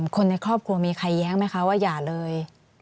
คนในครอบครัวมีใครแย้งไหมคะว่าอย่าเลย